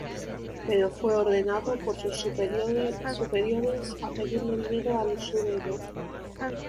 Pero fue ordenado por sus superiores a pedirle dinero al usurero.